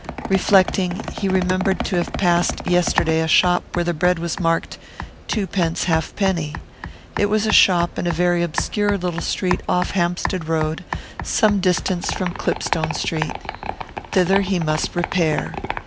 Reflecting, he remembered to have passed yesterday a shop where the bread was marked twopence halfpenny; it was a shop in a very obscure little street off Hampstead Road, some distance from Clipstone Street. Thither he must repair.